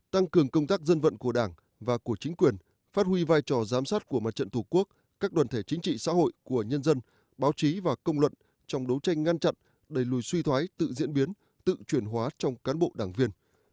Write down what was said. tăng cường công tác dân vận của đảng và của chính quyền phát huy vai trò giám sát của mặt trận tổ quốc các đoàn thể chính trị xã hội của nhân dân báo chí và công luận trong đấu tranh ngăn chặn đẩy lùi suy thoái tự diễn biến tự chuyển hóa trong cán bộ đảng viên